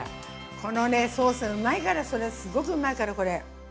このソース、うまいからすごくうまいから、これ。